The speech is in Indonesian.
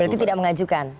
berarti tidak mengajukan